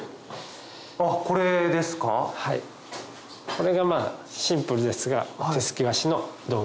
これがシンプルですが。